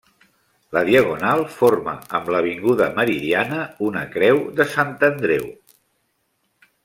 La Diagonal forma amb l'avinguda Meridiana una creu de Sant Andreu.